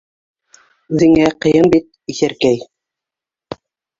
Үҙеңә ҡыйын бит, иҫәркәй!